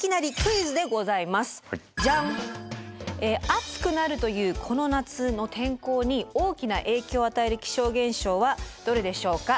暑くなるというこの夏の天候に大きな影響を与える気象現象はどれでしょうか？